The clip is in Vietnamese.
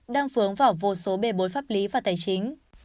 đang vướng vào vô số bề bối pháp lý và tài chính